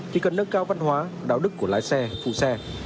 thì cần nâng cao văn hóa đạo đức của lái xe phụ xe